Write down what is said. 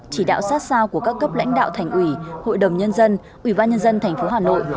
chỉ đạo sát sao của các cấp lãnh đạo thành ủy hội đồng nhân dân ủy ban nhân dân tp hà nội